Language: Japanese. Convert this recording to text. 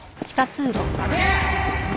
待て！